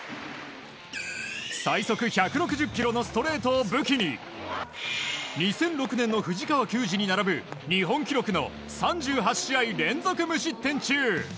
最速１６０キロのストレートを武器に２００６年の藤川球児に並ぶ日本記録の３８試合連続無失点中。